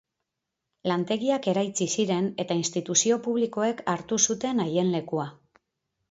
Lantegiak eraitsi ziren eta instituzio publikoek hartu zuten haien lekua.